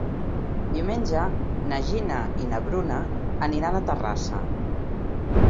Diumenge na Gina i na Bruna aniran a Terrassa.